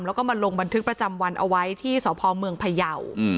แล้วก็มาลงบันทึกประจำวันเอาไว้ที่สพเมืองพยาว